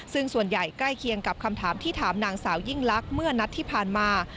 ซึ่งส่วนใหญ่ใกล้เคียงกับคำถามที่ถามนางสาวยิ่งลักษณ์เมื่อนัดที่ผ่านมา